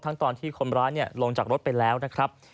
ตอนที่คนร้ายลงจากรถไปแล้วนะครับ